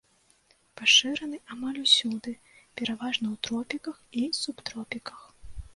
Пашыраны амаль усюды, пераважна ў тропіках і субтропіках.